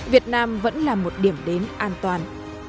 việt nam vẫn là một điểm đến an toàn